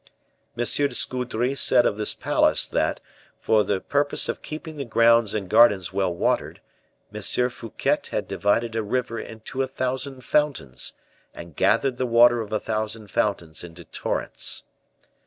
M. de Scudery said of this palace, that, for the purpose of keeping the grounds and gardens well watered, M. Fouquet had divided a river into a thousand fountains, and gathered the waters of a thousand fountains into torrents.